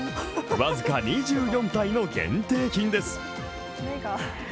僅か２４体の限定品です。